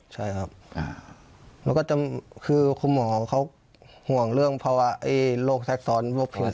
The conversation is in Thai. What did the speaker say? แล้วก็คือคุณหมอเขาห่วงเรื่องโรคแซ็กซ้อน